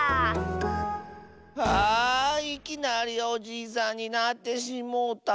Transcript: ああいきなりおじいさんになってしもうた。